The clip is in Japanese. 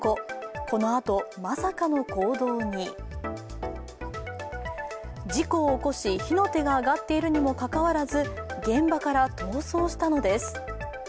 このあとまさかの行動に事故を起こし、火の手が上がっているにもかかわらず現場から逃走したのです。